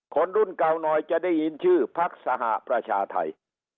คนรุ่นเก่าหน่อยจะได้ยินชื่อพักสหประชาไทย